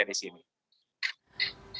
dan pelajar indonesia di sini